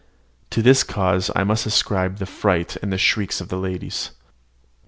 To this cause I must ascribe the fright and shrieks of the ladies.